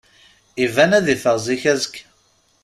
Iban ad iffeɣ zik azekka.